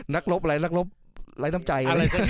นักรบอะไรนักรบไรตั้งใจ